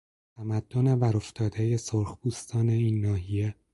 تمدن برافتادهی سرخپوستان این ناحیه